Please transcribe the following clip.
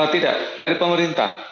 tidak dari pemerintah